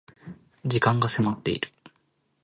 時間が迫っている